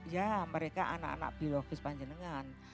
ya mereka anak anak biologis panjenengan